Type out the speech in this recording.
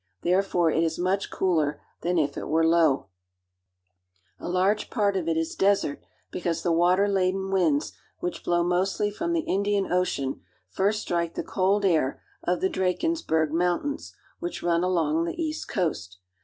Therefore it is much cooler than if it were low. 274 AFRICA A large part of it is desert because the water laden winds, which blow mostly from the Indian Ocean, first strike the cold air of the Drakensburg (dra'k^nz berg) Mountains, which run along the east coast.